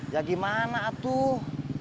ya gimana tuh